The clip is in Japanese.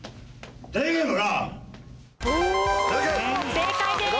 正解です！